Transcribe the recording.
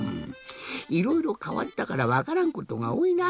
いろいろかわったからわからんことがおおいな。